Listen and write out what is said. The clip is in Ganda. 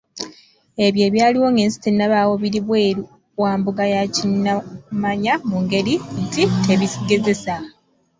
Ebyo ebyaliwo ng’ensi tennabaawo biri bweru wa mbuga ya kinnakumanya mu ngeri nti tebigezeseka.